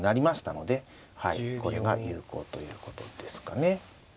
これが有効ということですかね。